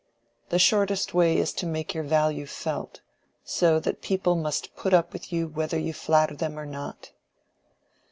"The shortest way is to make your value felt, so that people must put up with you whether you flatter them or not."